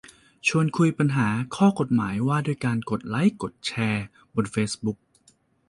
ชวนคุยปัญหาข้อกฎหมายว่าด้วยการกดไลค์กดแชร์บนเฟซบุ๊ก